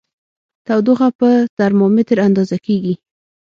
تودوخه په ترمامیتر اندازه کېږي.